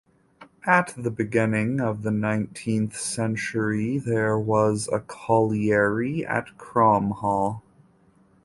At the beginning of the nineteenth century there was a colliery at Cromhall.